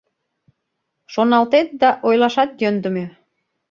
Шоналтет да ойлашат йӧндымӧ.